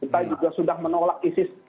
kita sudah menolak isis